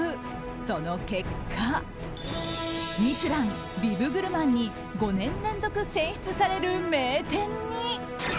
その結果「ミシュラン」ビブグルマンに５年連続選出される名店に！